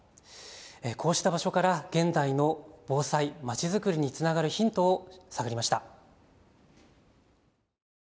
こうした場所から現代の防災、まちづくりにつながるヒントを探りました。